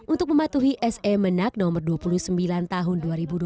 untuk mematuhi s e menak nomor dua puluh sembilan tahun dua ribu dua puluh satu